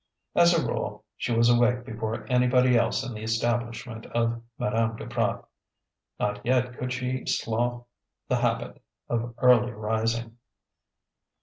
As a rule she was awake before anybody else in the establishment of Madame Duprat; not yet could she slough the habit of early rising.